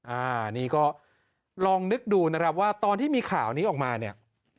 อันนี้ก็ลองนึกดูนะครับว่าตอนที่มีข่าวนี้ออกมาเนี่ย